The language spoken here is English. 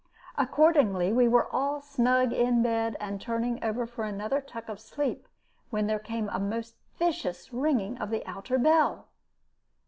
Accordingly we were all snug in bed, and turning over for another tuck of sleep, when there came a most vicious ringing of the outer bell.